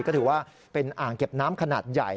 ก็ถือว่าเป็นอ่างเก็บน้ำขนาดใหญ่